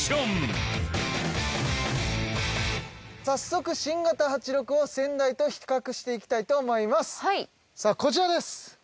早速新型８６を先代と比較していきたいと思います。